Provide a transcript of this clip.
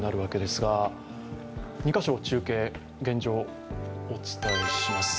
２カ所、中継、現状をお伝えします